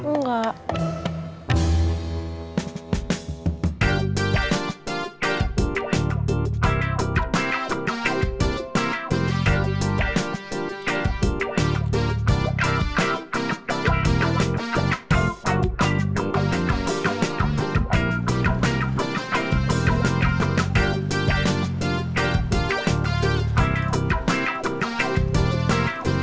kamu nggak punya kue